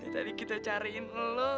tadi kita cariin lu